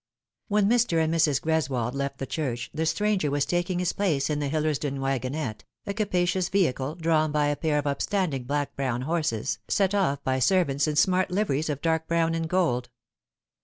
WHEN Mr. and Mrs. Greswold left the church, the stranger was taking his place in the Hillersdon wagonette, a capacious vehicle, drawn by a pair of upstanding black brown horses, set off by servants in smart liveries of dark brown and gold.